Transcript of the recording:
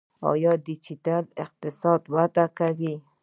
آیا ډیجیټل اقتصاد وده کوي؟